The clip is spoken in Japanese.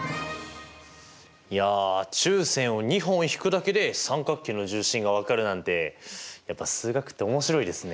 いや中線を２本引くだけで三角形の重心が分かるなんてやっぱ数学って面白いですね。